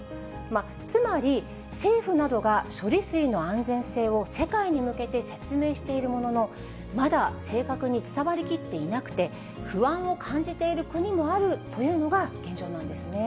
つまり、政府などが処理水の安全性を世界に向けて説明しているものの、まだ正確に伝わりきっていなくて、不安を感じている国もあるというのが現状なんですね。